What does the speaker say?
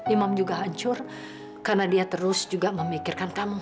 imam juga hancur karena dia terus juga memikirkan kamu